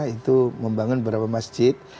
itu membangun beberapa masjid